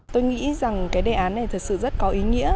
tôi nghĩ rằng cái đề án này thật sự rất có ý nghĩa